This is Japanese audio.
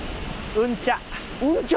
うんちゃ！？